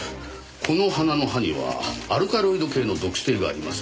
この花の葉にはアルカロイド系の毒性があります。